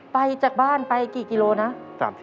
จากบ้านไปกี่กิโลนะ